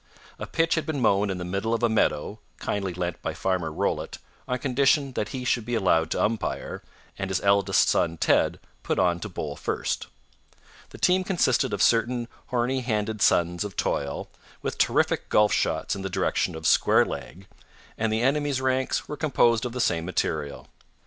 A pitch had been mown in the middle of a meadow (kindly lent by Farmer Rollitt on condition that he should be allowed to umpire, and his eldest son Ted put on to bowl first). The team consisted of certain horny handed sons of toil, with terrific golf shots in the direction of square leg, and the enemy's ranks were composed of the same material.